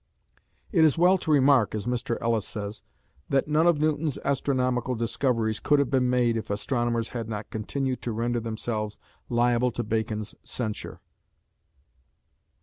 "It is well to remark," as Mr. Ellis says, "that none of Newton's astronomical discoveries could have been made if astronomers had not continued to render themselves liable to Bacon's censure."